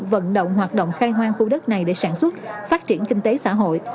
vận động hoạt động khai hoang khu đất này để sản xuất phát triển kinh tế xã hội